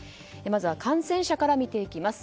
まずは感染者から見ていきます。